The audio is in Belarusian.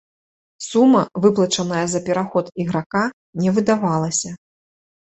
Сума, выплачаная за пераход іграка, не выдавалася.